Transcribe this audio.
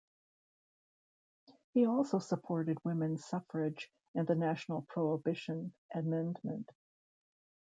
He also supported women's suffrage and a national prohibition amendment.